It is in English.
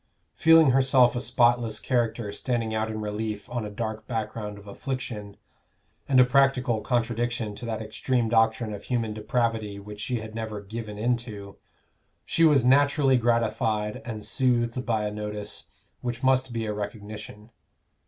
Feeling herself a spotless character standing out in relief on a dark background of affliction, and a practical contradiction to that extreme doctrine of human depravity which she had never "given in to," she was naturally gratified and soothed by a notice which must be a recognition.